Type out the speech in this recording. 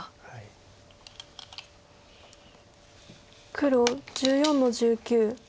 黒１４の十九。